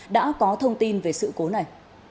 đã có thông tin về sự cố này